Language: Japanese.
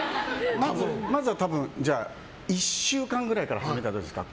まずは多分１週間くらいから始めたらどうですか。